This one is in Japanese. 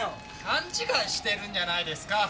勘違いしてるんじゃないですか？